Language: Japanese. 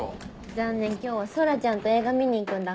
残念今日は空ちゃんと映画見に行くんだ。